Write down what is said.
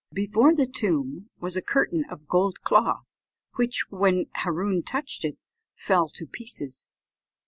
Before the tomb was a curtain of gold cloth, which, when Hâroon touched it, fell to pieces.